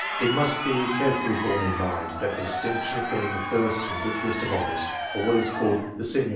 It must be carefully borne in mind that the distinction of being the first in this list of honours, or what is called the senior